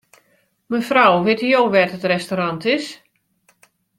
Mefrou, witte jo wêr't it restaurant is?